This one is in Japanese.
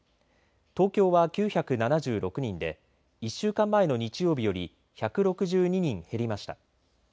東京は９７６人で１週間前の日曜日より１６２人、減りました。